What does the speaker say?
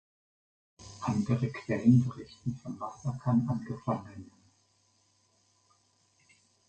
Andere Quellen berichten von Massakern an Gefangenen.